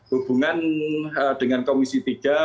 hubungan dengan komisi tiga